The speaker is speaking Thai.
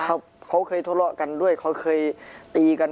เขาเคยทะเลาะกันด้วยเขาเคยตีกัน